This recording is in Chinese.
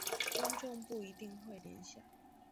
观众不一定会联想。